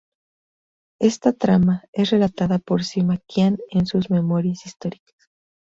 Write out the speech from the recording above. Esta trama es relatada por Sima Qian en sus "Memorias históricas".